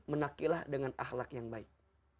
menakilah dengan ahlak yang baik